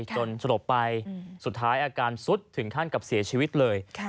สลบไปสุดท้ายอาการสุดถึงขั้นกับเสียชีวิตเลย